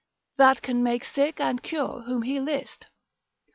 That can make sick, and cure whom he list.